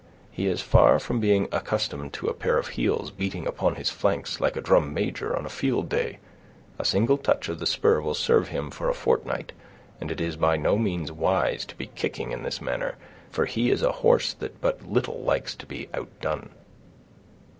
He is far from being accustomed to a pair of heels beating upon his flanks like a drum major on a field day; a single touch of the spur will serve him for a fortnight, and it is by no means wise to be kicking in this manner, for he is a horse that but little likes to be outdone."